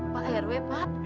pak rw pak